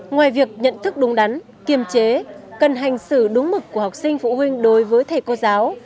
ngoài việc nhận thức đúng đắn kiềm chế cần hành xử đúng mực của học sinh phụ huynh đối với thầy cô giáo